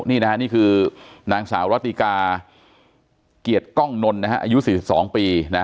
นี่คือนางสาวรติกาเกียรติกล้องนนอายุ๔๒ปี